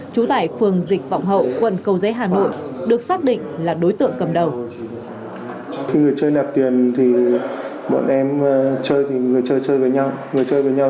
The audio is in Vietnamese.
chú tại phường dịch vọng hậu quận cầu dế hà nội được xác định là đối tượng cầm đầu